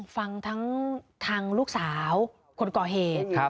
ฟังทั้งลูกสาวคนก่อเหตุ